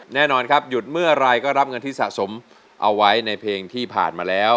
แน่นอนครับหยุดเมื่อไหร่ก็รับเงินที่สะสมเอาไว้ในเพลงที่ผ่านมาแล้ว